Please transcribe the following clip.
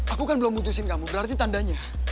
aku kan belum putusin kamu berarti tandanya